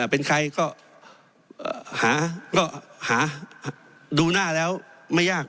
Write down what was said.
เป็นใครก็หาก็หาดูหน้าแล้วไม่ยาก